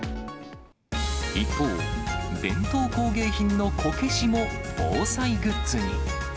一方、伝統工芸品のこけしも防災グッズに。